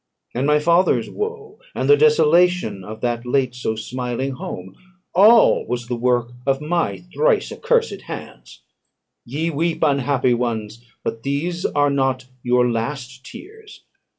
And my father's woe, and the desolation of that late so smiling home all was the work of my thrice accursed hands! Ye weep, unhappy ones; but these are not your last tears!